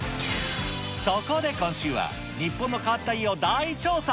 そこで今週は、日本の変わった家を大調査。